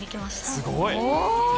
すごい。